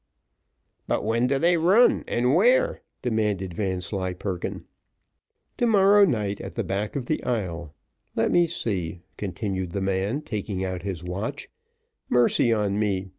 "But when do they run, and where?" demanded Vanslyperken. "To morrow night at the back of the Isle. Let me see," continued the man, taking out his watch; "mercy on me!